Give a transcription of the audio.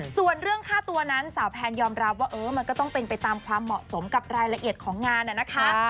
ส่วนเรื่องค่าตัวนั้นสาวแพนยอมรับว่ามันก็ต้องเป็นไปตามความเหมาะสมกับรายละเอียดของงานนะคะ